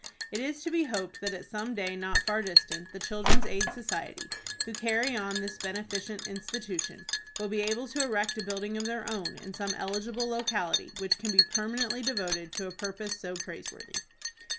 It is to be hoped that at some day not far distant the Children's Aid Society, who carry on this beneficent institution, will be able to erect a building of their own in some eligible locality, which can be permanently devoted to a purpose so praiseworthy.